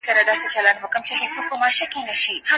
سياستپوهنه د قدرت د لاسته راوړلو په مانا پېژندل کېږي.